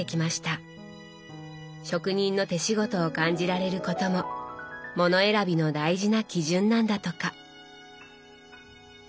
職人の手仕事を感じられることも物選びの大事な基準なんだとか。